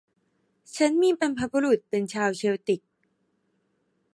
ฉันมีบรรพบุรุษเป็นชาวเชลติก